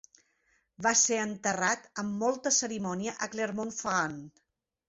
Va ser enterrat amb molta cerimònia a Clermont-Ferrand.